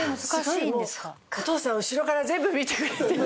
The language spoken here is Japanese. お父さん後ろから全部見てくれてる。